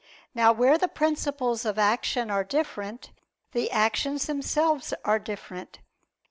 Now where the principles of action are different, the actions themselves are different.